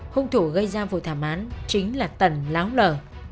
hung thủ gây ra vụ thảm án chính là tần láo nở